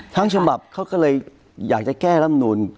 ฉบับเขาก็เลยอยากจะแก้ร่ำนูน